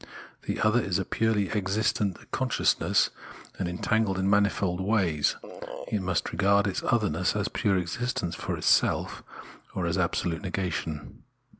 The other is a purely' existent con sciousness and entangled in manifold \vays ; it must regard its otherness as pure existence for itself or as absolute negation.